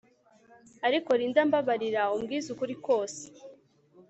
Ariko Linda mbabarira umbwizukurikose